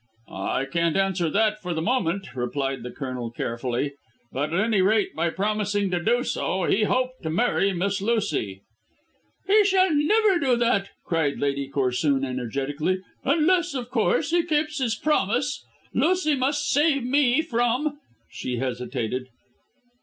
"I can't answer that for the moment," replied the Colonel carefully, "but at any rate by promising to do so he hoped to marry Miss Lucy." "He shall never do that," cried Lady Corsoon energetically; "unless, of course, he keeps his promise. Lucy must save me from " She hesitated.